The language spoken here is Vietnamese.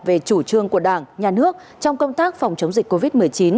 về chủ trương của đảng nhà nước trong công tác phòng chống dịch covid một mươi chín